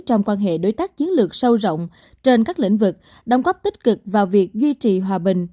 trong quan hệ đối tác chiến lược sâu rộng trên các lĩnh vực đóng góp tích cực vào việc duy trì hòa bình